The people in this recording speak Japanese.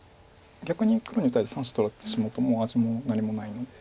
逆に黒に３子取られてしまうともう味も何もないので。